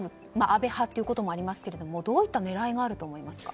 安倍派ということもありますがどういった狙いがあると思いますか。